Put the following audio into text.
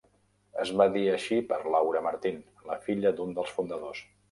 Es va dir així per Laura Martin, la filla d'un dels fundadors.